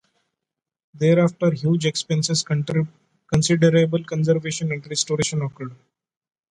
Thereafter huge expenses, considerable conservation and restoration occurred.